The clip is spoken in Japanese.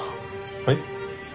はい？